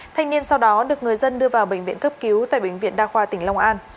thanh niên sau đó được người dân đưa vào bệnh viện cấp cứu tại bệnh viện đa khoa tỉnh long an